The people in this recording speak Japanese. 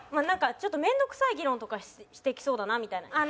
なんか面倒くさい議論とかしてきそうだなみたいな。